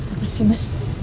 apa sih mas